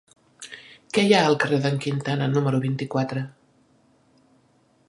Què hi ha al carrer d'en Quintana número vint-i-quatre?